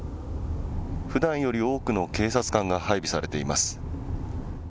ふだんより多くの警察官が配備されています。